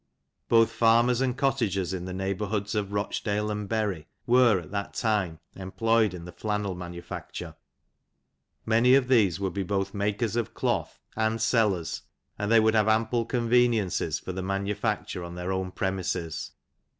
Both farmers and cot tagers, in tho neighhourhoods of Rochdale and Bury, were, at that time, employed in the flannel manu&cture. Many of these would be both makers of cloth, and sellers, and they would have ample conveniences for the manufai*.ture on their own pre mises.